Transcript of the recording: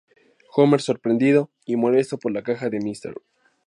Homer, sorprendido y molesto por la caja de Mr.